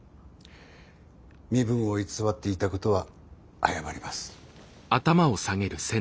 身分を偽っていたことは謝ります。